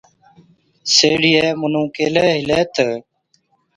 سيهڙِيئَي مُنُون ڪيهلَي هِلَي تہ،